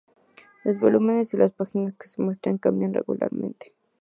Los volúmenes y páginas que se muestran cambian regularmente.